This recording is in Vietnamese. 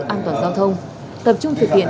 an toàn giao thông tập trung thực hiện